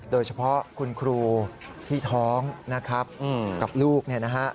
โดยเฉพาะคุณครูที่ท้องนะครับกับลูกเนี่ยนะฮะ